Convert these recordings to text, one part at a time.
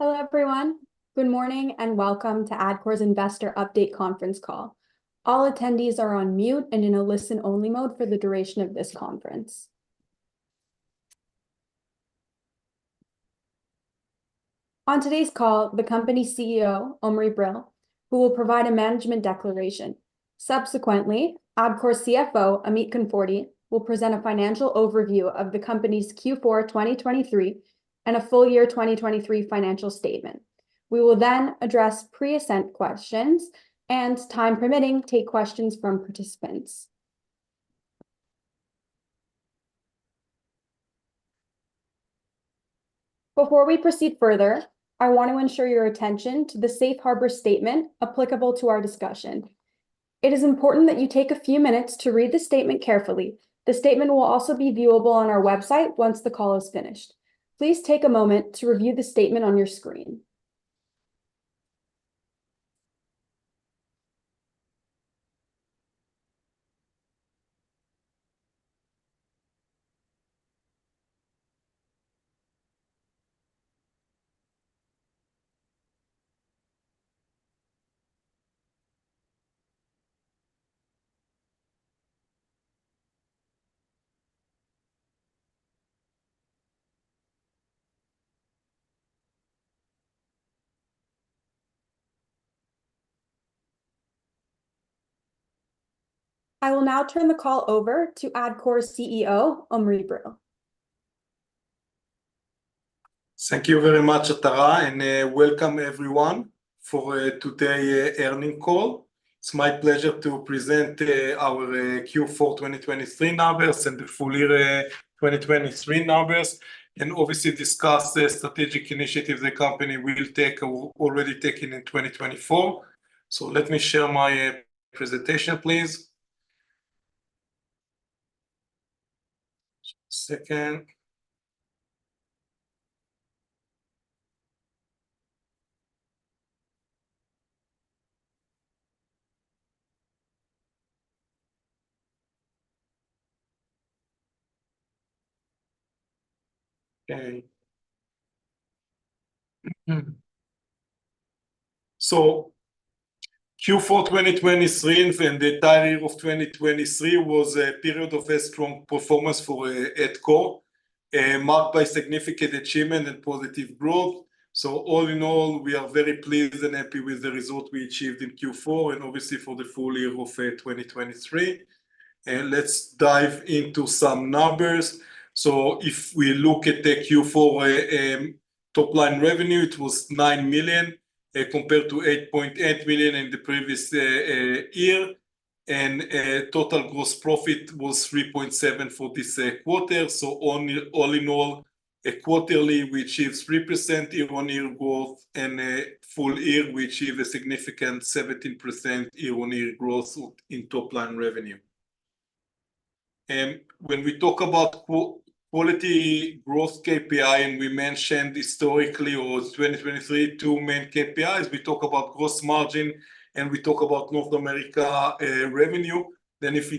Hello everyone. Good morning and welcome to Adcore's investor update conference call. All attendees are on mute and in a listen-only mode for the duration of this conference. On today's call, the company CEO, Omri Brill, who will provide a management declaration. Subsequently, Adcore CFO, Amit Konforty, will present a financial overview of the company's Q4 2023 and a full year 2023 financial statement. We will then address pre-submitted questions and, time permitting, take questions from participants. Before we proceed further, I want to ensure your attention to the Safe Harbor statement applicable to our discussion. It is important that you take a few minutes to read the statement carefully. The statement will also be viewable on our website once the call is finished. Please take a moment to review the statement on your screen. I will now turn the call over to Adcore CEO, Omri Brill. Thank you very much, Atara, and welcome everyone for today's earnings call. It's my pleasure to present our Q4 2023 numbers and the full year 2023 numbers and obviously discuss the strategic initiatives the company will take already taken in 2024. Let me share my presentation, please. Okay. Q4 2023 and the entire year of 2023 was a period of strong performance for Adcore, marked by significant achievement and positive growth. All in all, we are very pleased and happy with the result we achieved in Q4 and obviously for the full year of 2023. Let's dive into some numbers. If we look at the Q4 top line revenue, it was 9 million compared to 8.8 million in the previous year. And total gross profit was 3.7 million for this quarter. So all in all, quarterly we achieved 3% year-on-year growth and full year we achieved a significant 17% year-on-year growth in top line revenue. And when we talk about quality growth KPI and we mentioned historically or 2023 two main KPIs, we talk about gross margin and we talk about North America revenue. Then if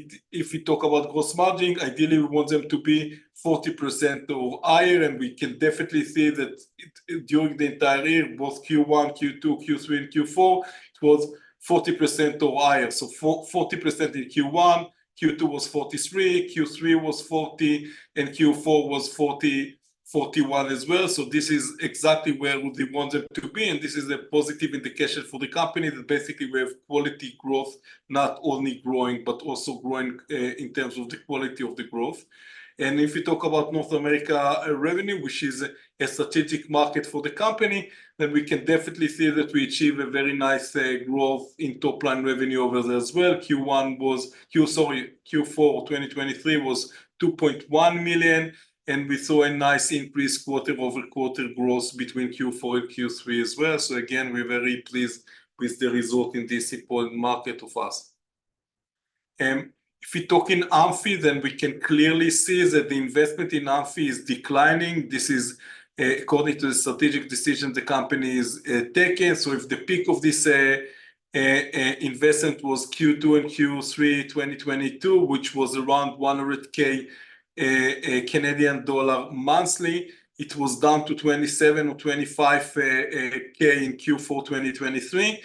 we talk about gross margin, ideally we want them to be 40% or higher and we can definitely see that during the entire year, both Q1, Q2, Q3, and Q4, it was 40% or higher. So 40% in Q1, Q2 was 43%, Q3 was 40%, and Q4 was 40%-41% as well. So this is exactly where we want them to be and this is a positive indication for the company that basically we have quality growth, not only growing but also growing in terms of the quality of the growth. If we talk about North America revenue, which is a strategic market for the company, then we can definitely see that we achieve a very nice growth in top line revenue over there as well. Q4 2023 was 2.1 million and we saw a nice increase quarter-over-quarter growth between Q4 and Q3 as well. So again, we're very pleased with the result in this important market of us. If we talk in Amphy, then we can clearly see that the investment in Amphy is declining. This is according to the strategic decision the company is taking. So if the peak of this investment was Q2 and Q3 2022, which was around 100,000 Canadian dollar monthly, it was down to 27,000 or 25,000 in Q4 2023.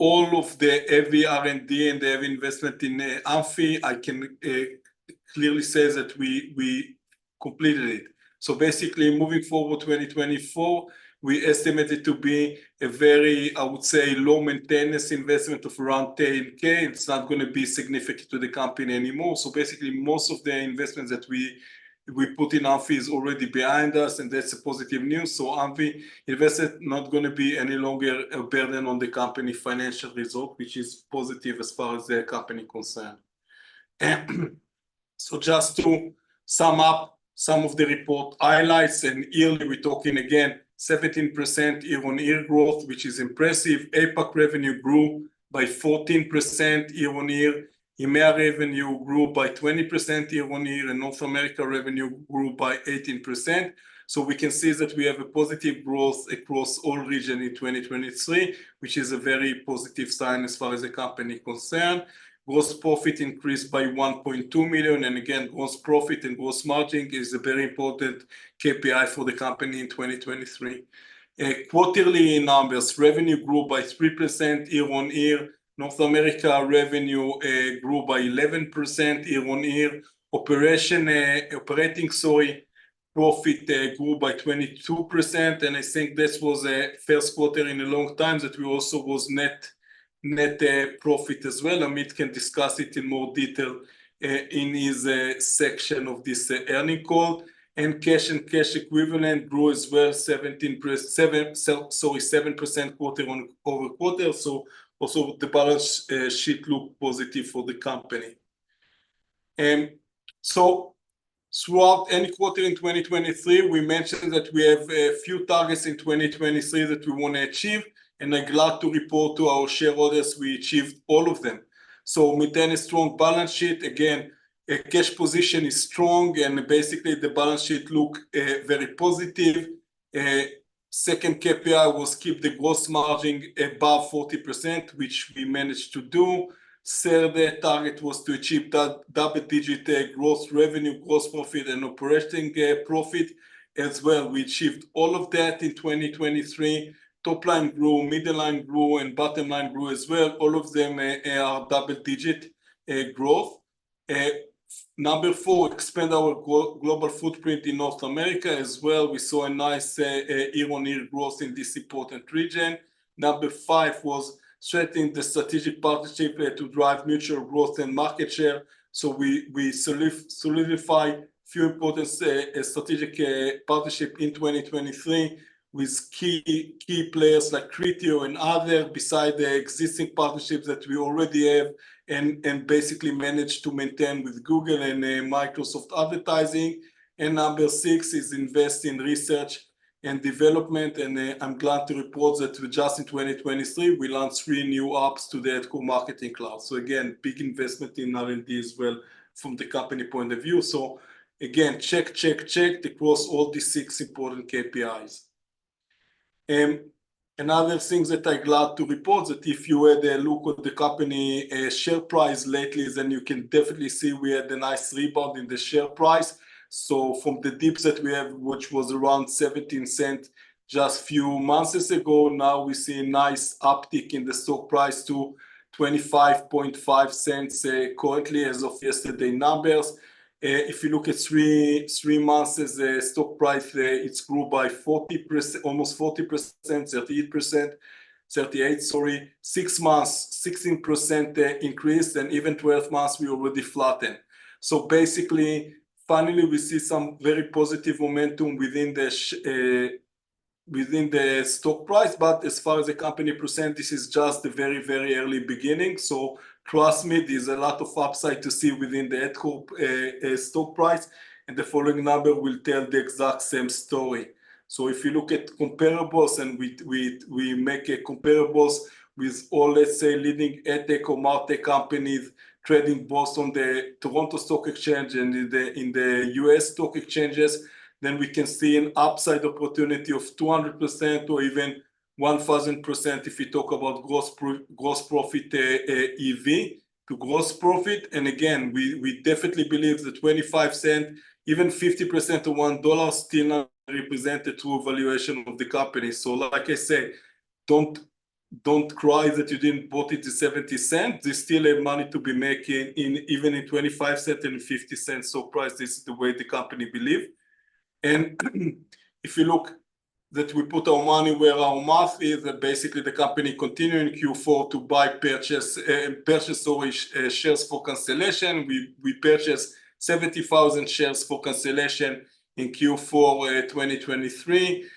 All of the heavy R&D and the heavy investment in Amphy, I can clearly say that we completed it. So basically moving forward 2024, we estimated to be a very, I would say, low maintenance investment of around 10,000. It's not going to be significant to the company anymore. So basically most of the investments that we put in Amphy is already behind us and that's the positive news. So Amphy investment is not going to be any longer a burden on the company financial result, which is positive as far as the company concerned. So just to sum up some of the report highlights and yearly we're talking again 17% year-on-year growth, which is impressive. APAC revenue grew by 14% year-on-year. EMEA revenue grew by 20% year-on-year and North America revenue grew by 18%. So we can see that we have a positive growth across all regions in 2023, which is a very positive sign as far as the company concerns. Gross profit increased by 1.2 million and again gross profit and gross margin is a very important KPI for the company in 2023. Quarterly numbers, revenue grew by 3% year-on-year. North America revenue grew by 11% year-on-year. Operating, sorry, profit grew by 22% and I think this was the Q1 in a long time that we also had net profit as well. Amit can discuss it in more detail in his section of this earnings call. And cash and cash equivalent grew as well 17% quarter-over-quarter. So also the balance sheet looked positive for the company. Throughout any quarter in 2023, we mentioned that we have a few targets in 2023 that we want to achieve and I'm glad to report to our shareholders we achieved all of them. So we then had a strong balance sheet. Again, a cash position is strong and basically the balance sheet looked very positive. Second KPI was to keep the gross margin above 40%, which we managed to do. Third target was to achieve double-digit gross revenue, gross profit, and operating profit as well. We achieved all of that in 2023. Top line grew, middle line grew, and bottom line grew as well. All of them are double-digit growth. Number four, expand our global footprint in North America as well. We saw a nice year-on-year growth in this important region. Number five was strengthening the strategic partnership to drive mutual growth and market share. So we solidified a few important strategic partnerships in 2023 with key players like Criteo and other besides the existing partnerships that we already have and basically managed to maintain with Google and Microsoft Advertising. And number six is invest in research and development and I'm glad to report that just in 2023 we launched three new apps to the Adcore Marketing Cloud. So again, big investment in R&D as well from the company point of view. So again, check, check, check across all these six important KPIs. And other things that I'm glad to report is that if you had a look at the company share price lately then you can definitely see we had a nice rebound in the share price. So from the dips that we have, which was around 0.17 just a few months ago, now we see a nice uptick in the stock price to 0.255 currently as of yesterday numbers. If you look at three months as the stock price, it's grew by 40%, almost 40%, 38%. 38, sorry, six months, 16% increase and even 12 months we already flattened. So basically, finally we see some very positive momentum within the stock price, but as far as the company percent, this is just the very, very early beginning. So trust me, there's a lot of upside to see within the Adcore stock price and the following number will tell the exact same story. So if you look at comparables and we make comparables with all, let's say, leading ad tech companies trading both on the Toronto Stock Exchange and in the US stock exchanges, then we can see an upside opportunity of 200% or even 1,000% if we talk about gross profit EV to gross profit. And again, we definitely believe that 0.25, even 50% of 1 dollar still represents a true valuation of the company. So like I say, don't cry that you didn't bought it to 0.70. There's still money to be making even in 0.25 and 0.50 stock price. This is the way the company believes. And if you look that we put our money where our mouth is and basically the company continuing Q4 to buy purchase shares for cancellation. We purchased 70,000 shares for cancellation in Q4 2023.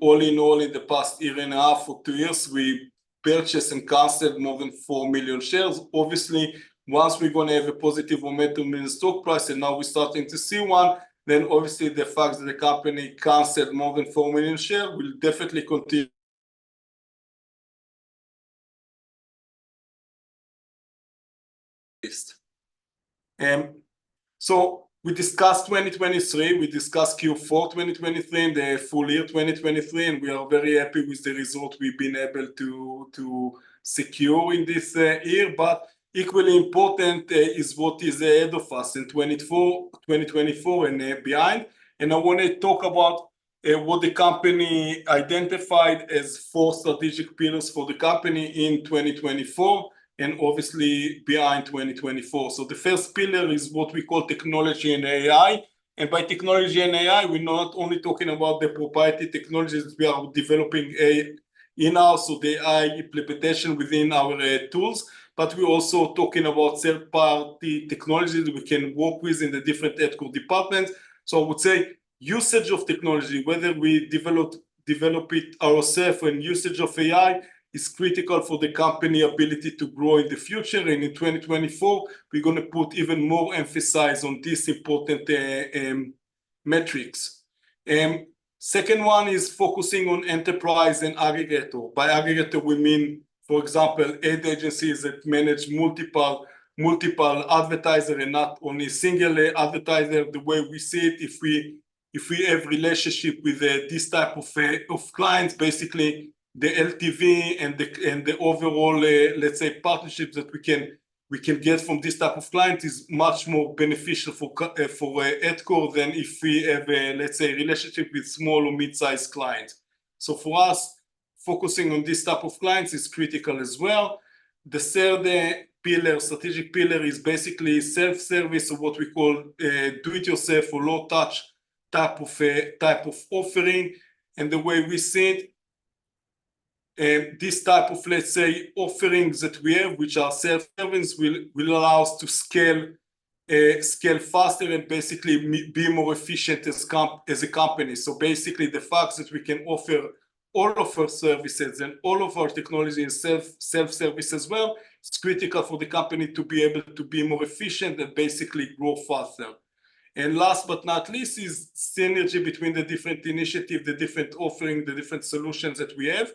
All in all in the past year and a half or two years, we purchased and canceled more than 4 million shares. Obviously, once we're going to have a positive momentum in the stock price and now we're starting to see one, then obviously the fact that the company canceled more than 4 million shares will definitely continue. We discussed 2023, we discussed Q4 2023 and the full year 2023 and we are very happy with the result we've been able to secure in this year, but equally important is what is ahead of us in 2024 and behind. I want to talk about what the company identified as four strategic pillars for the company in 2024 and obviously behind 2024. The first pillar is what we call technology and AI. By technology and AI, we're not only talking about the proprietary technologies we are developing in-house, so the AI implementation within our tools, but we're also talking about third-party technologies we can work with in the different Adcore departments. So I would say usage of technology, whether we develop it ourselves or in usage of AI, is critical for the company's ability to grow in the future. In 2024, we're going to put even more emphasis on these important metrics. Second one is focusing on enterprise and aggregator. By aggregator, we mean, for example, ad agencies that manage multiple advertisers and not only a single advertiser. The way we see it, if we have a relationship with this type of clients, basically the LTV and the overall, let's say, partnerships that we can get from this type of clients is much more beneficial for Adcore than if we have, let's say, a relationship with small or mid-sized clients. So for us, focusing on this type of clients is critical as well. The third strategic pillar is basically self-service or what we call do-it-yourself or low-touch type of offering. The way we see it, this type of, let's say, offerings that we have, which are self-service, will allow us to scale faster and basically be more efficient as a company. So basically the fact that we can offer all of our services and all of our technology and self-service as well, it's critical for the company to be able to be more efficient and basically grow faster. And last but not least is synergy between the different initiatives, the different offerings, the different solutions that we have.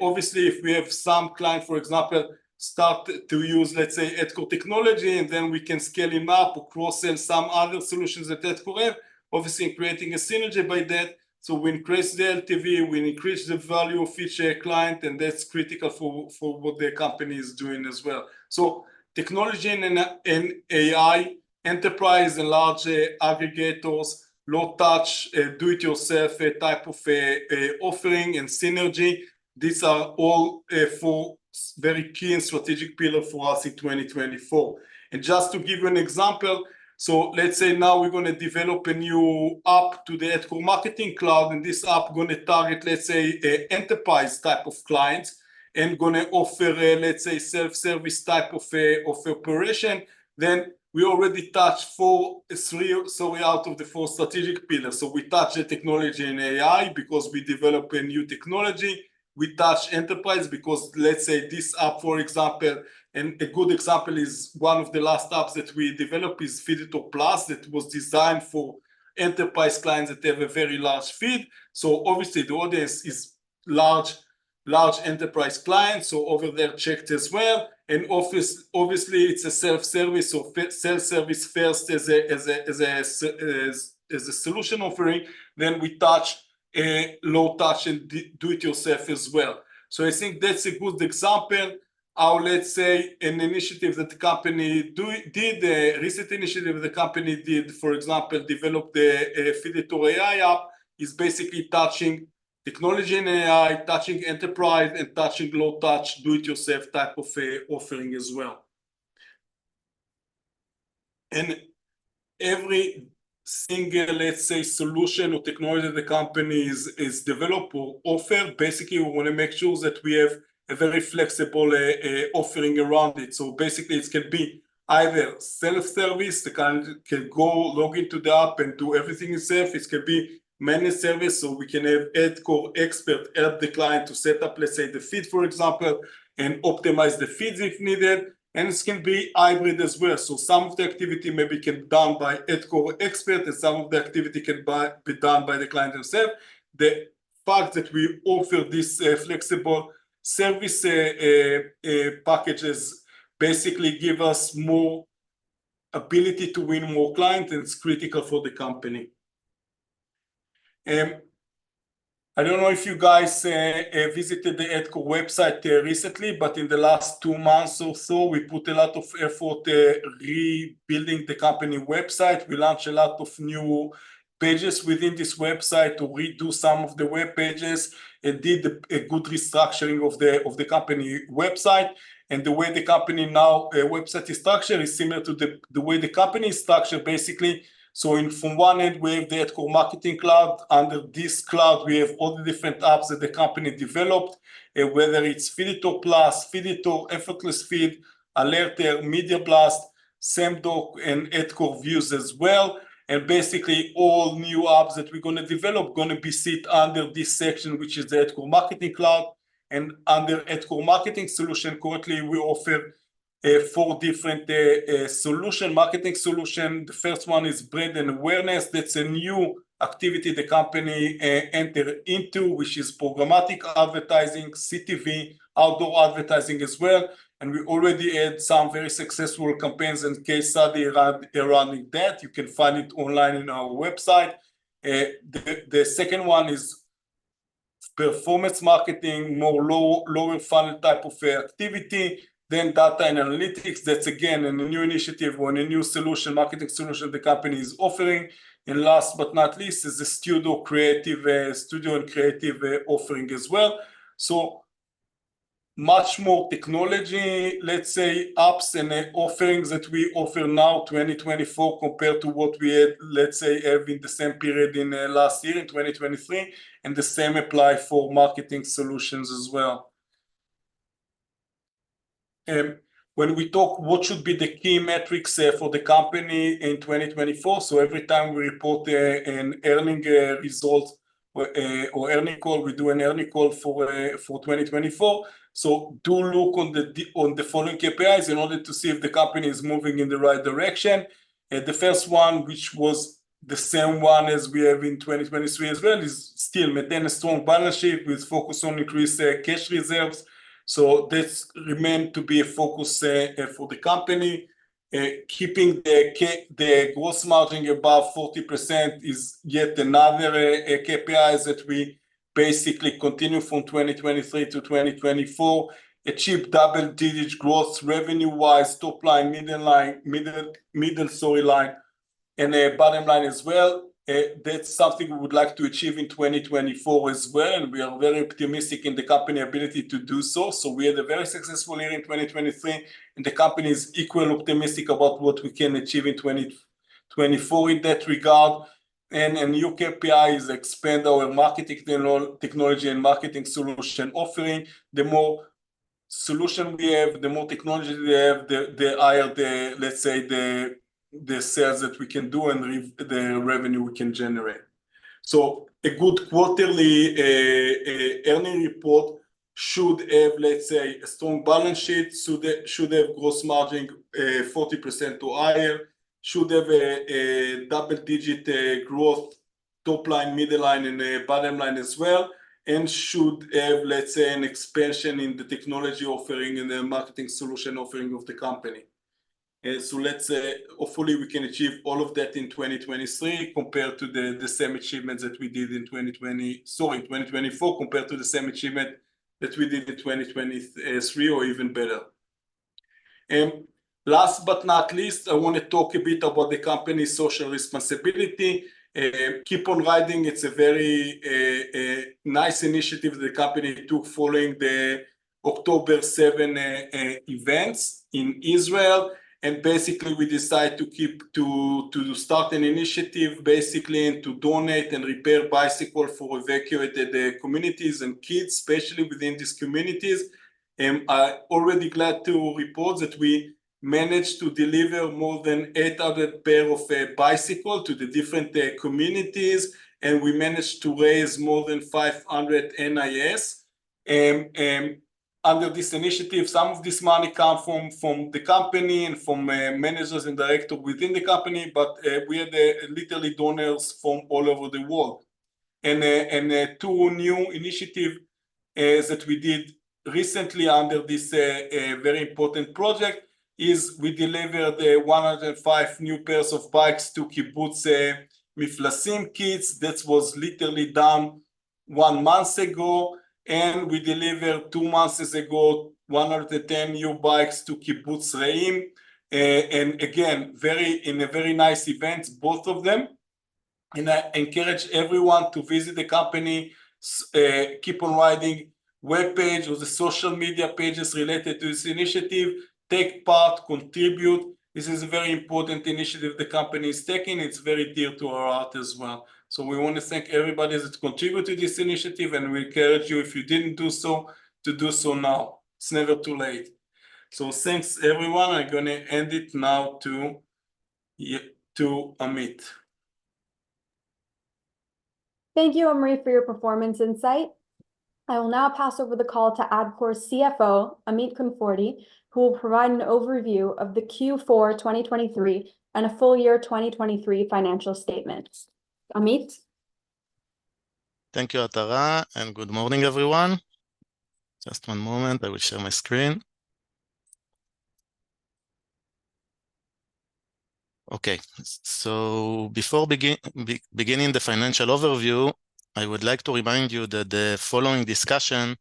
Obviously, if we have some client, for example, start to use, let's say, Adcore technology and then we can scale him up or cross-sell some other solutions that Adcore has, obviously creating a synergy by that. So we increase the LTV, we increase the value of each client, and that's critical for what the company is doing as well. So technology and AI, enterprise and large aggregators, low-touch, do-it-yourself type of offering and synergy, these are all four very key and strategic pillars for us in 2024. And just to give you an example, so let's say now we're going to develop a new app to the Adcore Marketing Cloud and this app is going to target, let's say, enterprise type of clients. And going to offer, let's say, self-service type of operation. Then we already touched 4, sorry, out of the 4 strategic pillars. So we touched the technology and AI because we developed a new technology. We touched enterprise because, let's say, this app, for example, and a good example is 1 of the last apps that we developed is Feeditor Plus that was designed for enterprise clients that have a very large feed. So obviously the audience is large, large enterprise clients, so over there checked as well. And obviously it's a self-service or self-service first as a solution offering, then we touched low-touch and do-it-yourself as well. So I think that's a good example. Let's say an initiative that the company did, a recent initiative that the company did, for example, developed the Feeditor AI app, is basically touching technology and AI, touching enterprise and touching low-touch, do-it-yourself type of offering as well. And every single, let's say, solution or technology that the company is developed or offers, basically we want to make sure that we have a very flexible offering around it. So basically it can be either self-service, the client can go log into the app and do everything itself. It can be managed service so we can have Adcore experts help the client to set up, let's say, the feed, for example, and optimize the feeds if needed. And it can be hybrid as well. So some of the activity maybe can be done by Adcore experts and some of the activity can be done by the client itself. The fact that we offer these flexible service packages basically gives us more ability to win more clients and it's critical for the company. I don't know if you guys visited the Adcore website recently, but in the last two months or so we put a lot of effort rebuilding the company website. We launched a lot of new pages within this website to redo some of the web pages and did a good restructuring of the company website. And the way the company's new website is structured is similar to the way the company is structured basically. So from one end we have the Adcore Marketing Cloud, under this cloud we have all the different apps that the company developed. Whether it's Feeditor Plus, Feeditor, Effortless Feed, Alerter, Media Blast, Semdoc, and Adcore Views as well. And basically all new apps that we're going to develop are going to be seated under this section, which is the Adcore Marketing Cloud. And under Adcore marketing solution currently we offer four different marketing solutions. The first one is brand awareness. That's a new activity the company entered into, which is programmatic advertising, CTV, outdoor advertising as well. And we already had some very successful campaigns and case studies around that. You can find it online in our website. The second one is performance marketing, more lower funnel type of activity, then data and analytics. That's again a new initiative or a new solution, marketing solution the company is offering. And last but not least is the studio creative studio and creative offering as well. So much more technology, let's say, apps and offerings that we offer now in 2024 compared to what we had, let's say, in the same period last year in 2023. And the same applies for marketing solutions as well. And when we talk what should be the key metrics for the company in 2024, so every time we report an earnings result or earnings call, we do an earnings call for 2024. So do look on the following KPIs in order to see if the company is moving in the right direction. The first one, which was the same one as we have in 2023 as well, is still maintain a strong balance sheet with focus on increased cash reserves. So that remains to be a focus for the company. Keeping the gross margin above 40% is yet another KPI that we basically continue from 2023 to 2024. Achieve double-digit growth revenue-wise, top line, middle line. And a bottom line as well. That's something we would like to achieve in 2024 as well and we are very optimistic in the company's ability to do so. So we had a very successful year in 2023 and the company is equally optimistic about what we can achieve in 2024 in that regard. A new KPI is expand our marketing technology and marketing solution offering. The more solution we have, the more technology we have, the higher the, let's say, the sales that we can do and the revenue we can generate. So a good quarterly earning report should have, let's say, a strong balance sheet, should have gross margin 40% or higher. Should have a double-digit growth. Top line, middle line, and bottom line as well. And should have, let's say, an expansion in the technology offering and the marketing solution offering of the company. And so let's hopefully we can achieve all of that in 2023 compared to the same achievements that we did in 2020, sorry, 2024 compared to the same achievement that we did in 2023 or even better. And last but not least, I want to talk a bit about the company's social responsibility. Keep On Riding. It's a very nice initiative that the company took following the October 7 events in Israel. And basically we decided to keep to start an initiative basically and to donate and repair bicycles for evacuated communities and kids, especially within these communities. And I'm already glad to report that we managed to deliver more than 800 pairs of bicycles to the different communities and we managed to raise more than 500 NIS. Under this initiative, some of this money comes from the company and from managers and directors within the company, but we had literally donors from all over the world. Two new initiatives that we did recently under this very important project is we delivered 105 new pairs of bikes to Kibbutz Mefalsim kids. That was literally done one month ago. We delivered two months ago 110 new bikes to Kibbutz Re'im. And again, very in a very nice event, both of them. I encourage everyone to visit the company's Keep On Riding webpage or the social media pages related to this initiative. Take part, contribute. This is a very important initiative the company is taking. It's very dear to our heart as well. We want to thank everybody that's contributed to this initiative and we encourage you if you didn't do so to do so now. It's never too late. Thanks everyone. I'm going to end it now to Amit. Thank you, Omri, for your performance insight. I will now pass over the call to Adcore's CFO, Amit Konforty, who will provide an overview of the Q4 2023 and a full year 2023 financial statement. Amit? Thank you, Atara, and good morning, everyone. Just one moment, I will share my screen. Okay, so before beginning the financial overview, I would like to remind you that the following discussion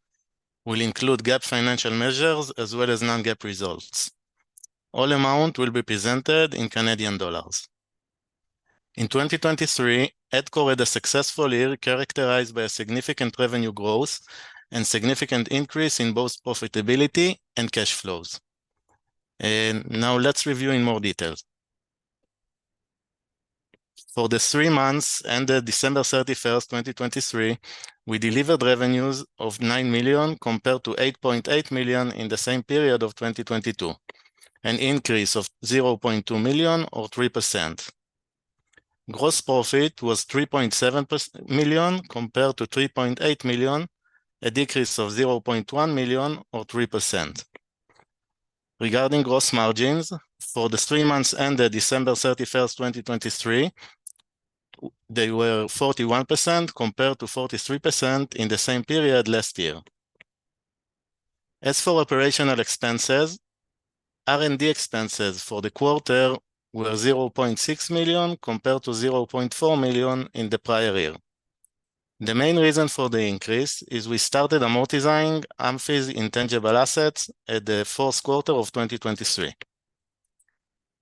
will include GAAP financial measures as well as non-GAAP results. All amounts will be presented in Canadian dollars. In 2023, Adcore had a successful year characterized by significant revenue growth and significant increase in both profitability and cash flows. Now let's review in more detail. For the three months ended December 31, 2023, we delivered revenues of 9 million compared to 8.8 million in the same period of 2022. An increase of 0.2 million or 3%. Gross profit was 3.7 million compared to 3.8 million, a decrease of 0.1 million or 3%. Regarding gross margins, for the three months ended December 31, 2023, they were 41% compared to 43% in the same period last year. As for operational expenses, R&D expenses for the quarter were 0.6 million compared to 0.4 million in the prior year. The main reason for the increase is we started amortizing Amphy's intangible assets at the Q4 of 2023.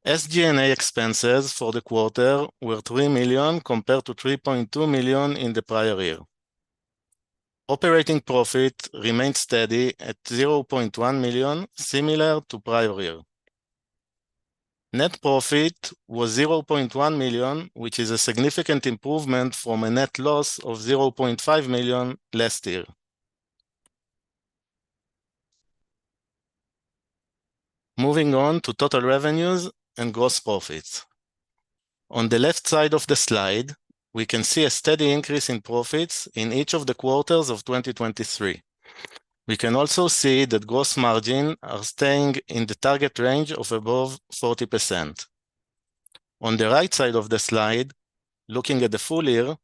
SG&A expenses for the quarter were 3 million compared to 3.2 million in the prior year. Operating profit remained steady at 0.1 million, similar to prior year. Net profit was 0.1 million, which is a significant improvement from a net loss of 0.5 million last year. Moving on to total revenues and gross profits. On the left side of the slide, we can see a steady increase in profits in each of the quarters of 2023. We can also see that gross margins are staying in the target range of above 40%. On the right side of the slide, looking at the full year,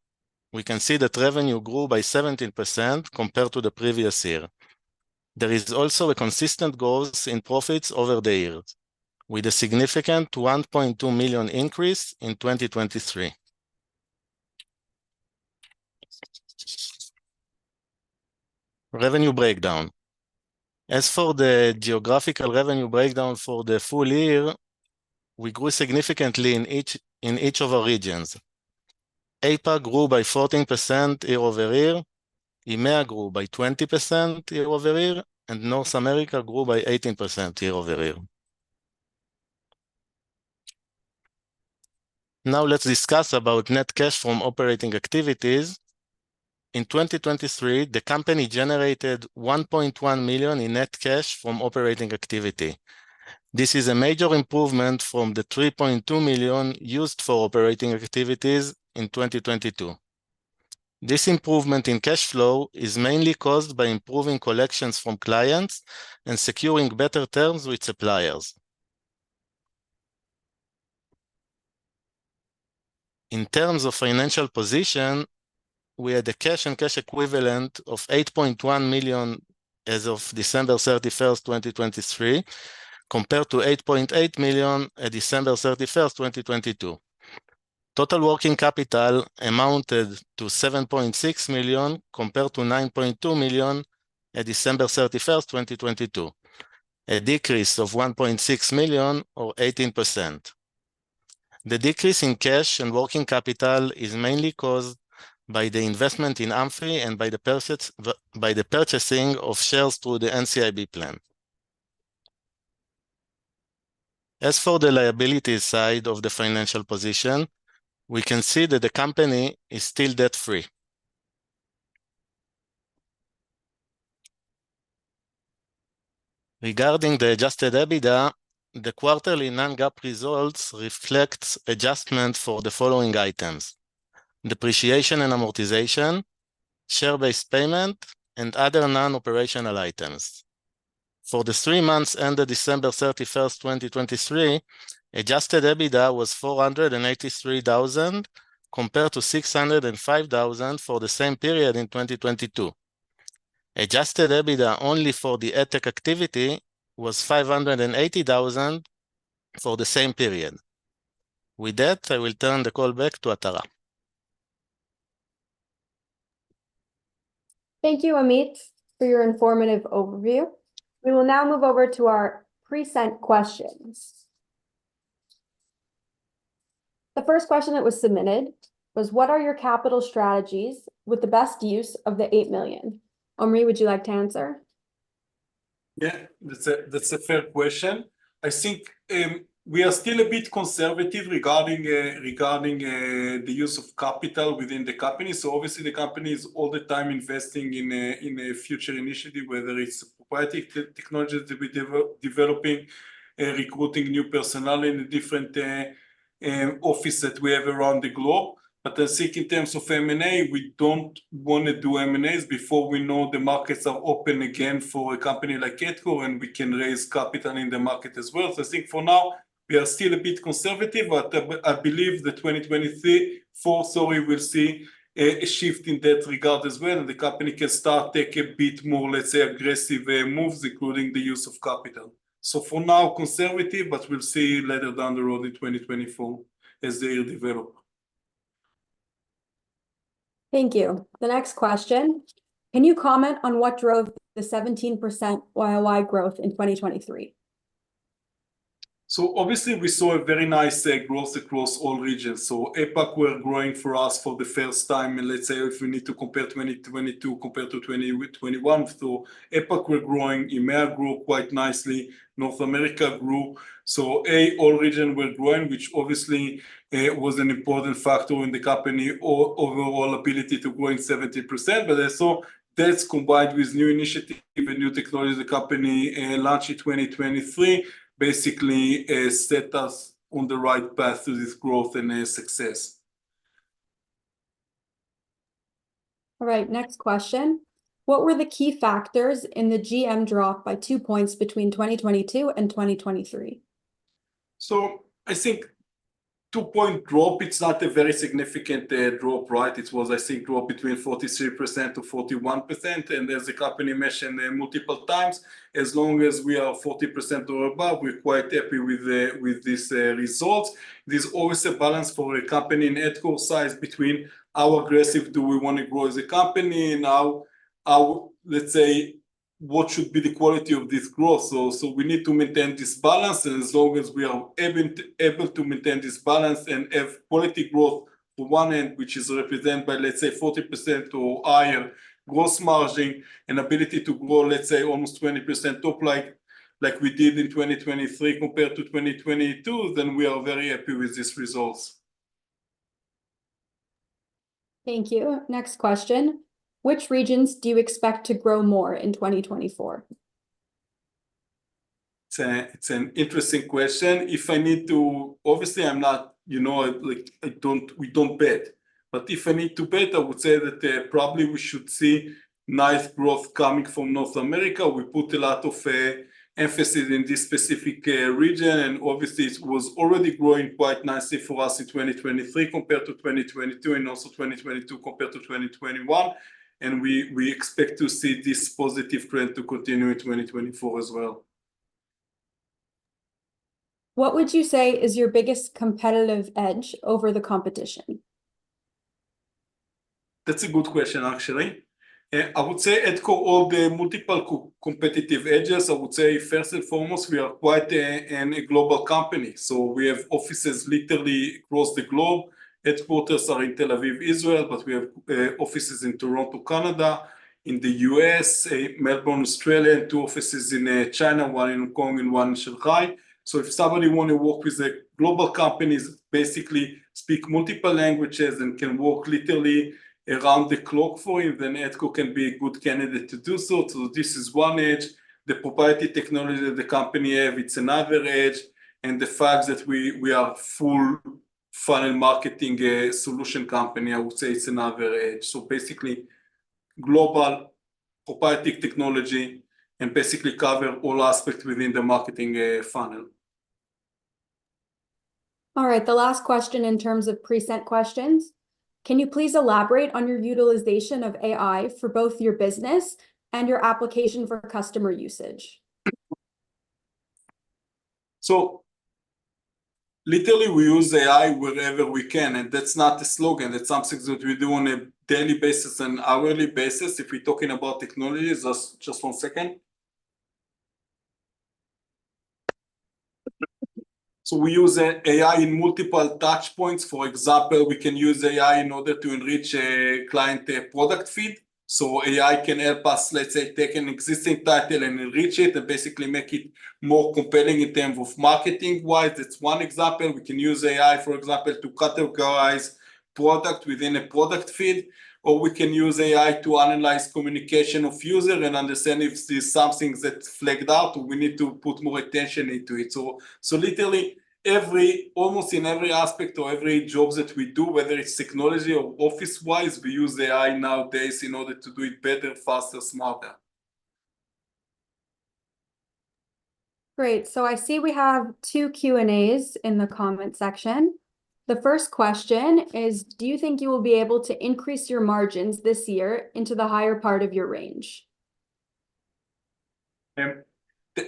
we can see that revenue grew by 17% compared to the previous year. There is also a consistent growth in profits over the years, with a significant 1.2 million increase in 2023. Revenue breakdown. As for the geographical revenue breakdown for the full year, we grew significantly in each of our regions. APAC grew by 14% year-over-year. EMEA grew by 20% year-over-year. And North America grew by 18% year-over-year. Now let's discuss about net cash from operating activities. In 2023, the company generated 1.1 million in net cash from operating activity. This is a major improvement from the 3.2 million used for operating activities in 2022. This improvement in cash flow is mainly caused by improving collections from clients and securing better terms with suppliers. In terms of financial position, we had a cash and cash equivalent of 8.1 million as of December 31, 2023, compared to 8.8 million at December 31, 2022. Total working capital amounted to 7.6 million compared to 9.2 million at December 31, 2022. A decrease of 1.6 million or 18%. The decrease in cash and working capital is mainly caused by the investment in Amphy and by the purchasing of shares through the NCIB plan. As for the liabilities side of the financial position, we can see that the company is still debt-free. Regarding the Adjusted EBITDA, the quarterly non-GAAP results reflect adjustments for the following items: depreciation and amortization, share-based payment, and other non-operational items. For the three months ended December 31, 2023, Adjusted EBITDA was 483,000 compared to 605,000 for the same period in 2022. Adjusted EBITDA only for the EdTech activity was 580,000 for the same period. With that, I will turn the call back to Atara. Thank you, Amit, for your informative overview. We will now move over to our pre-sent questions. The first question that was submitted was, what are your capital strategies with the best use of the 8 million? Omri, would you like to answer? Yeah, that's a fair question. I think we are still a bit conservative regarding the use of capital within the company. So obviously the company is all the time investing in a future initiative, whether it's proprietary technologies that we're developing, recruiting new personnel in the different offices that we have around the globe. But I think in terms of M&A, we don't want to do M&As before we know the markets are open again for a company like Adcore and we can raise capital in the market as well. So I think for now, we are still a bit conservative, but I believe that 2024, sorry, we'll see a shift in that regard as well and the company can start to take a bit more, let's say, aggressive moves, including the use of capital. For now, conservative, but we'll see later down the road in 2024 as the year develops. Thank you. The next question. Can you comment on what drove the 17% YOY growth in 2023? Obviously we saw a very nice growth across all regions. APAC was growing for us for the first time. Let's say if we need to compare 2022 compared to 2021. APAC was growing, EMEA grew quite nicely. North America grew. All regions were growing, which obviously was an important factor in the company overall ability to grow 70%. But I saw that combined with new initiative and new technologies the company launched in 2023 basically set us on the right path to this growth and success. All right, next question. What were the key factors in the GM drop by 2 points between 2022 and 2023? So I think 2-point drop, it's not a very significant drop, right? It was, I think, drop between 43%-41%. And as the company mentioned multiple times, as long as we are 40% or above, we're quite happy with these results. There's always a balance for a company in Adcore size between how aggressive do we want to grow as a company and how, let's say, what should be the quality of this growth. So we need to maintain this balance and as long as we are able to maintain this balance and have quality growth on one end, which is represented by, let's say, 40% or higher gross margin and ability to grow, let's say, almost 20% top line like we did in 2023 compared to 2022, then we are very happy with these results. Thank you. Next question. Which regions do you expect to grow more in 2024? It's an interesting question. If I need to, obviously I'm not, you know, we don't bet. But if I need to bet, I would say that probably we should see nice growth coming from North America. We put a lot of emphasis in this specific region and obviously it was already growing quite nicely for us in 2023 compared to 2022 and also 2022 compared to 2021. We expect to see this positive trend to continue in 2024 as well. What would you say is your biggest competitive edge over the competition? That's a good question, actually. I would say Adcore all the multiple competitive edges. I would say first and foremost, we are quite a global company. So we have offices literally across the globe. Headquarters are in Tel Aviv, Israel, but we have offices in Toronto, Canada. In the U.S., Melbourne, Australia, and two offices in China, one in Hong Kong and one in Shanghai. So if somebody wants to work with a global company, basically speak multiple languages and can work literally around the clock for you, then Adcore can be a good candidate to do so. So this is one edge. The proprietary technology that the company have, it's another edge. And the fact that we are a full funnel marketing solution company, I would say it's another edge. So basically, global proprietary technology and basically cover all aspects within the marketing funnel. All right, the last question in terms of pre-sent questions. Can you please elaborate on your utilization of AI for both your business and your application for customer usage? So literally we use AI wherever we can, and that's not a slogan. That's something that we do on a daily basis and hourly basis if we're talking about technologies. Just one second. So we use AI in multiple touchpoints. For example, we can use AI in order to enrich a client product feed. So AI can help us, let's say, take an existing title and enrich it and basically make it more compelling in terms of marketing-wise. That's one example. We can use AI, for example, to categorize products within a product feed. Or we can use AI to analyze communication of users and understand if there's something that's flagged out or we need to put more attention into it. So literally almost in every aspect or every job that we do, whether it's technology or office-wise, we use AI nowadays in order to do it better, faster, smarter. Great. So I see we have two Q&As in the comment section. The first question is, do you think you will be able to increase your margins this year into the higher part of your range?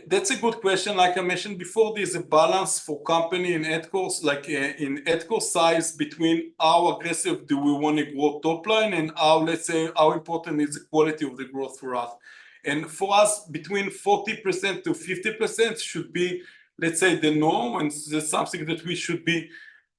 That's a good question. Like I mentioned before, there's a balance for the company in Adcore, like in Adcore's size between how aggressive do we want to grow top-line and how, let's say, how important is the quality of the growth for us. And for us, between 40%-50% should be, let's say, the norm and that's something that we should be,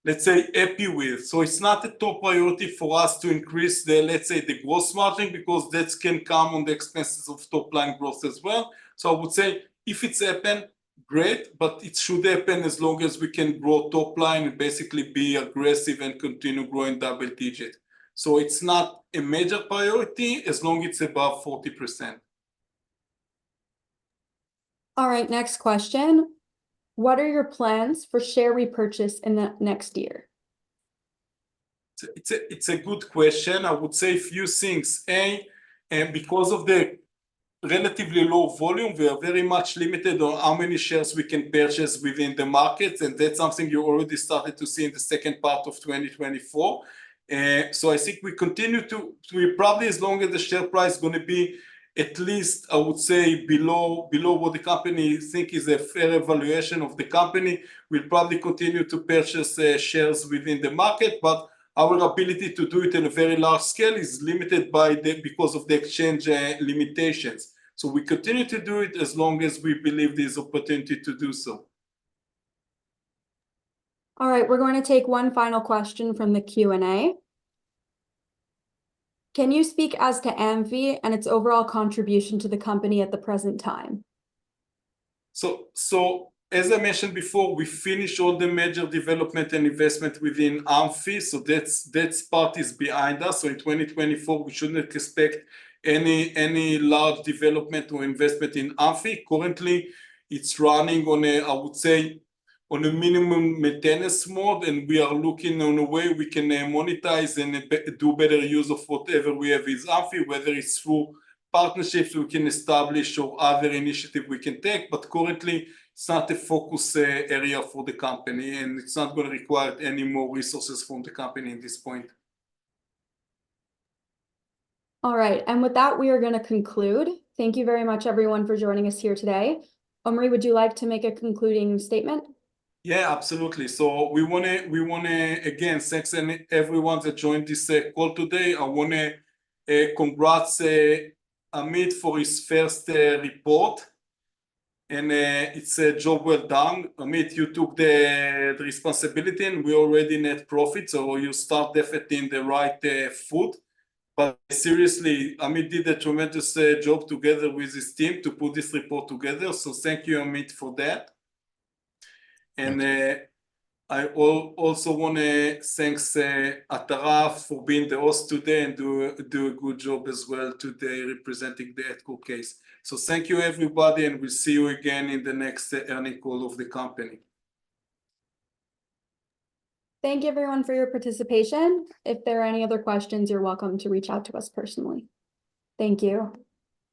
let's say, happy with. So it's not a top priority for us to increase the, let's say, the gross margin because that can come at the expense of top-line growth as well. So I would say if it's happened, great, but it should happen as long as we can grow top-line and basically be aggressive and continue growing double-digit. So it's not a major priority as long as it's above 40%. All right, next question. What are your plans for share repurchase in the next year? It's a good question. I would say a few things. A, because of the relatively low volume, we are very much limited on how many shares we can purchase within the markets, and that's something you already started to see in the second part of 2024. So I think we continue to probably as long as the share price is going to be at least, I would say, below what the company thinks is a fair valuation of the company, we'll probably continue to purchase shares within the market, but our ability to do it in a very large scale is limited because of the exchange limitations. So we continue to do it as long as we believe there's opportunity to do so. All right, we're going to take one final question from the Q&A. Can you speak as to Amphy and its overall contribution to the company at the present time? So as I mentioned before, we finished all the major development and investment within Amphy, so that part is behind us. So in 2024, we shouldn't expect any large development or investment in Amphy. Currently, it's running on, I would say, on a minimum maintenance mode, and we are looking on a way we can monetize and do better use of whatever we have with Amphy, whether it's through partnerships we can establish or other initiatives we can take, but currently it's not a focus area for the company and it's not going to require any more resources from the company at this point. All right, and with that, we are going to conclude. Thank you very much, everyone, for joining us here today. Omri, would you like to make a concluding statement? Yeah, absolutely. So we want to, again, thanks to everyone that joined this call today. I want to congratulate Amit for his first report. And it's a job well done. Amit, you took the responsibility and we already net profit, so you start definitely in the right foot. But seriously, Amit did a tremendous job together with his team to put this report together. So thank you, Amit, for that. And I also want to thank Atara for being the host today and do a good job as well today representing the Adcore case. So thank you, everybody, and we'll see you again in the next earnings call of the company. Thank you, everyone, for your participation. If there are any other questions, you're welcome to reach out to us personally. Thank you.